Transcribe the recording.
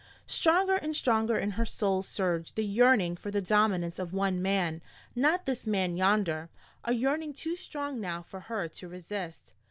Stronger and stronger in her soul surged the yearning for the dominance of one man, not this man yonder a yearning too strong now for her to resist.